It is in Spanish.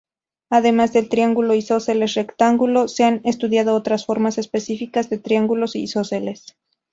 Además del triángulo isósceles rectángulo, se han estudiado otras formas específicas de triángulos isósceles.